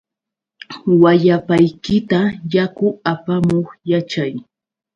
Wayapaykita yaku apamuq kachay.